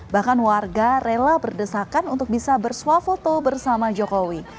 bahkan warga rela berdesakan untuk bisa bersuah foto bersama jokowi